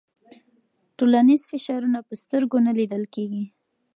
ټولنیز فشارونه په سترګو نه لیدل کېږي.